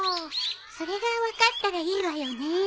それが分かったらいいわよね。